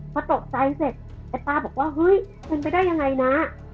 พอตกใจเสร็จไอ้ป้าบอกว่าเฮ้ยเป็นไปได้ยังไงนะ